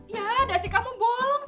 ya ada sih kamu bolong sari